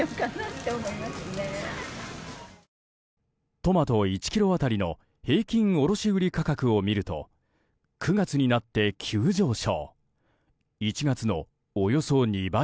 トマト１ｋｇ当たりの平均卸売価格を見ると９月になって急上昇。